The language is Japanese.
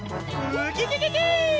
ウキキキ！